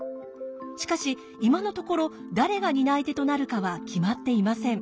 しかし今のところ誰が担い手となるかは決まっていません。